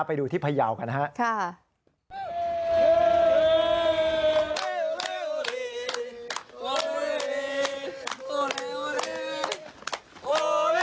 ไปดูที่พยาวกันฮะค่ะค่ะ